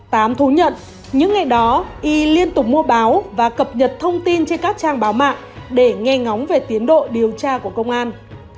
tám thú nhận những ngày đó y liên tục mua báo và cập nhật thông tin trên các trang báo mạng để nghe ngóng về tiến độ điều tra của công an